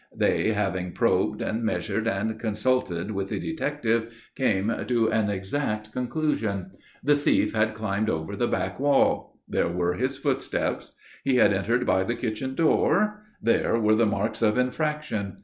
They, having probed, and measured, and consulted with the detective, came to an exact conclusion. The thief had climbed over the back wall there were his footsteps. He had entered by the kitchen door there were the marks of infraction.